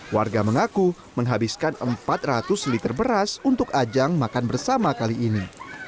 warga mengaku menghabiskan empat ratus liter beras untuk ajang makan bersama kali ini